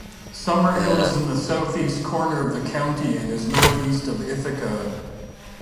Summerhill is in the southeast corner of the county and is northeast of Ithaca.